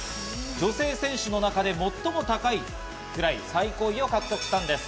女性選手の中で最も高い位、最高位を獲得したんです。